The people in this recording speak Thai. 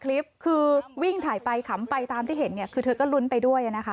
คลิปคือวิ่งถ่ายไปคำไปก็ไม่กลายไปก็ไม่ร้อย